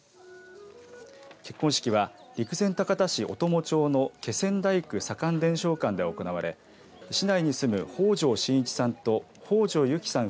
結婚式は陸前高田市小友町の気仙大工左官伝承館で行われ市内に住む北條伸一さんと北條友紀さん